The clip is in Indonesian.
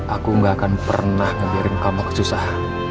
aku akan ngejarin kamu ke susah